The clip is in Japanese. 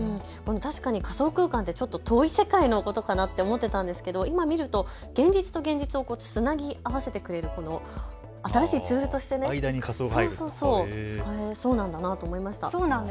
確かに仮想空間ってちょっと遠い世界のことかなと思っていたんですが、今見ると現実と現実をつなぎ合わせてくれる新しいツールとして使えそうなんだなと思いました。